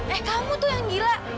eh kamu tuh yang gila